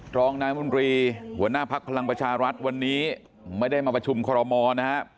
รองนายมนตรีหัวหน้าภักดิ์พลังประชารัฐวันนี้ไม่ได้มาประชุมคอรมอลนะครับ